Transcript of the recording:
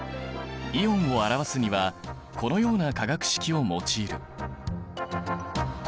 イオンを表すにはこのような化学式を用いる。